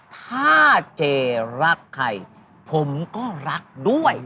ถ้าเจรักใครผมก็รักด้วย